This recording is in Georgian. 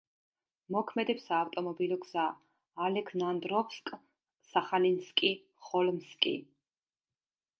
მოქმედებს საავტომობილო გზა ალექნანდროვსკ-სახალინსკი—ხოლმსკი.